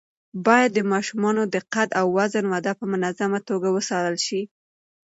باید د ماشومانو د قد او وزن وده په منظمه توګه وڅارل شي.